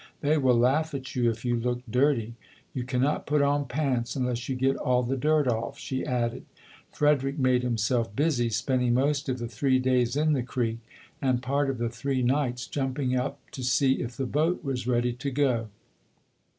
They will laugh at you if you look dirty. You can not put on pants unless you get all the dirt off", she added. Frederick made him self busy, spending most of the three days in the FREDERICK DOUGLASS [21 creek, and part of the three nights jumping up to see if the boat was ready to go.